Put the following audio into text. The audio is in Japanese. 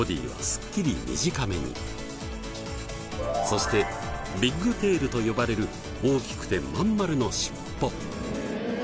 そしてビッグテールと呼ばれる大きくて真ん丸のシッポ。